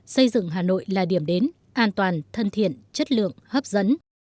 xây dựng hà nội là điểm đến an toàn thân thiện chất lượng hấp dẫn